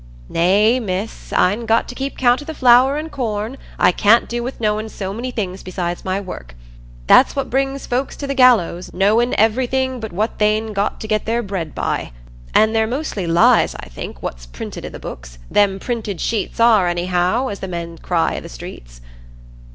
"Nay, Miss, I'n got to keep count o' the flour an' corn; I can't do wi' knowin' so many things besides my work. That's what brings folks to the gallows,—knowin' everything but what they'n got to get their bread by. An' they're mostly lies, I think, what's printed i' the books: them printed sheets are, anyhow, as the men cry i' the streets."